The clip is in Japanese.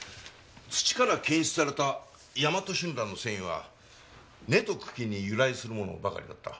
土から検出されたヤマトシュンランの繊維は根と茎に由来するものばかりだった。